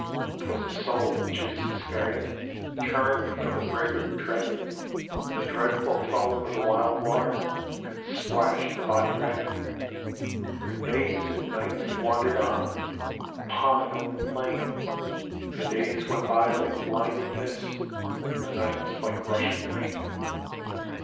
Twas the soul of Judas Iscariot Turned from the Brig of Dread, And the dreadful foam of the wild water Had splashed the body red. For days and nights he wandered on, Upon an open plain. And the days went by like blinding mbt. And the nights like rushing rain.